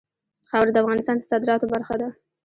خاوره د افغانستان د صادراتو برخه ده.